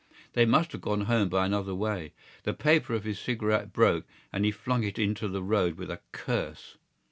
They must have gone home by another way. The paper of his cigarette broke and he flung it into the road with a curse.